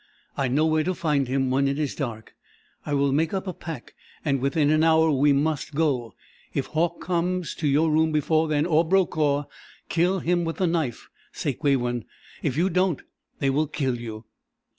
I know where to find him when it is dark. I will make up a pack and within an hour we must go. If Hauck comes to your room before then, or Brokaw, kill him with the knife, Sakewawin! If you don't they will kill you!"